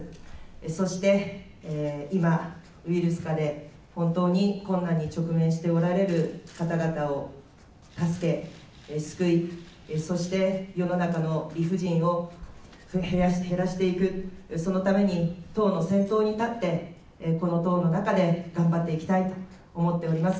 そして今、ウイルス禍で本当に困難に直面しておられる方々を助け、救いそして世の中の理不尽を減らしていく、そのために党の先頭に立ってこの党の中で頑張っていきたいと思っております。